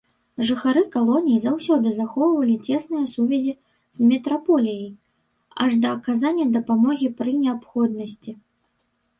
Жыхары калоній заўсёды захоўвалі цесныя сувязі з метраполіяй, аж да аказання дапамогі пры неабходнасці.